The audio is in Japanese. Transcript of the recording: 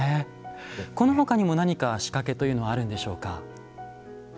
このほかにも、何か仕掛けというのはあるんでしょうか？